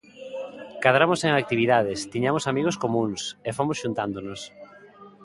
Cadramos en actividades, tiñamos amigos comúns... e fomos xuntándonos.